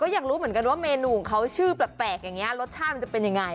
อยากรู้เหมือนกันว่าเมนูของเขาชื่อแปลกอย่างนี้รสชาติมันจะเป็นยังไง